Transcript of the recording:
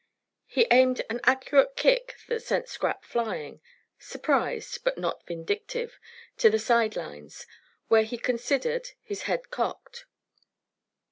He aimed an accurate kick that sent Scrap flying, surprised but not vindictive, to the side lines, where he considered, his head cocked.